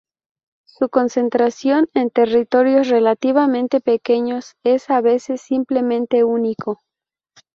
Su concentración en territorios relativamente pequeños es a veces simplemente único.